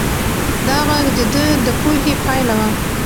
دا غږ د ده د پوهې پایله وه.